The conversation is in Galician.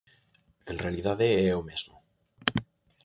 En realidade, é o mesmo.